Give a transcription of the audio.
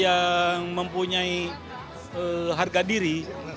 yang mempunyai harga diri